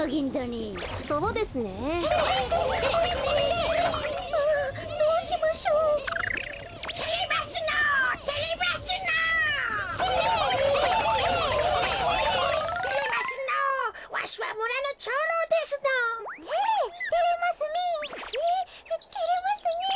えってれますねえ。